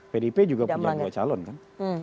pdip juga punya dua calon kan